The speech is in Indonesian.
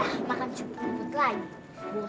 hah makan cukup rambut lagi